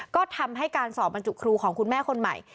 ก็ทำให้การสอบบรรจุครูของคุณแม่คนใหม่